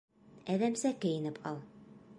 Әҙәмсә кейенеп ал.